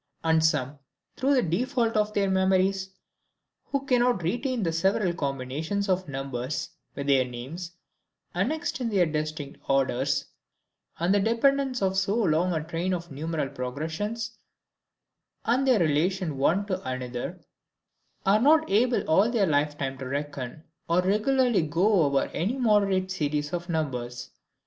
And some, through the default of their memories, who cannot retain the several combinations of numbers, with their names, annexed in their distinct orders, and the dependence of so long a train of numeral progressions, and their relation one to another, are not able all their lifetime to reckon, or regularly go over any moderate series of numbers.